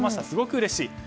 すごくうれしい。